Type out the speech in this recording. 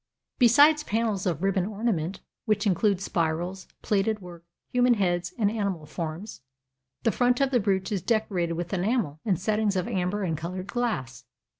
Besides panels of ribbon ornament, which include spirals, plaited work, human heads, and animal forms, the front of the brooch is decorated with enamel and settings of amber and colored glass.